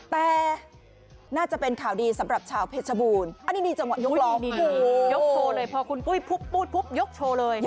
แต่น่าจะเป็นข่าวดีของชาวเจ้าบูรค่ะ